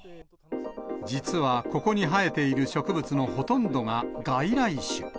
実はここに生えている植物のほとんどが外来種。